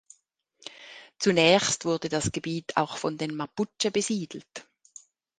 Zunächst wurde das Gebiet auch von den Mapuche besiedelt.